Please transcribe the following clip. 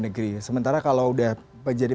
negeri sementara kalau udah menjadi